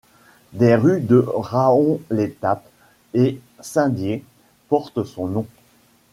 Des rues de Raon-l'Étape et Saint-Dié portent son nom.